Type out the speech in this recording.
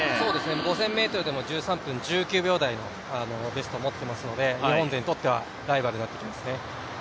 ５０００ｍでも１３分１９秒台のベストを持っていますので日本勢にとってはライバルになってきますね。